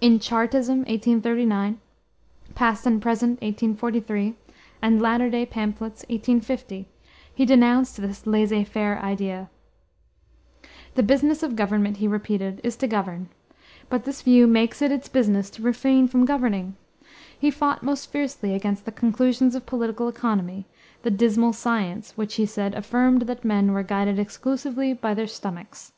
In Chartism, 1839; Past and Present, 1843; and Latter day Pamphlets, 1850, he denounced this laissez faire idea. The business of government, he repeated, is to govern; but this view makes it its business to refrain from governing. He fought most fiercely against the conclusions of political economy, "the dismal science," which, he said, affirmed that men were guided exclusively by their stomachs.